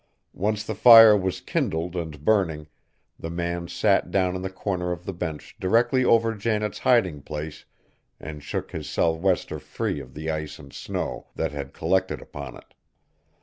Once the fire was kindled and burning, the man sat down in the corner of the bench directly over Janet's hiding place and shook his sou'wester free of the ice and snow that had collected upon it.